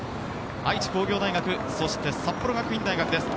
愛知工業大学そして札幌学院大学です。